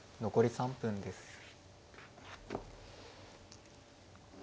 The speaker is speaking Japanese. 残り３分です。